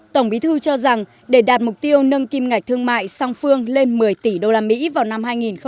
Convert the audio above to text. tổng bí thư cho rằng để đạt mục tiêu nâng kim ngạch thương mại song phương lên một mươi tỷ usd vào năm hai nghìn hai mươi